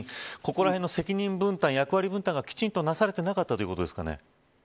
ここらへんの責任分担役割分担がきちんとなされていなかったそうです。